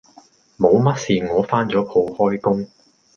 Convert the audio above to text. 冇乜事我返咗鋪開工